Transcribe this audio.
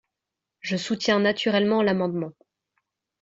Je soutiens naturellement l’amendement.